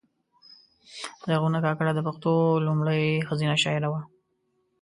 زرغونه کاکړه د پښتو لومړۍ ښځینه شاعره وه .